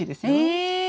え！